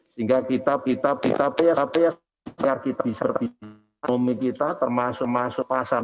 sehingga kita bisa berpikir kita bisa berpikir kita bisa berpikir kita bisa berpikir